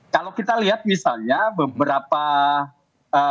kalau kita lihat misalnya beberapa ee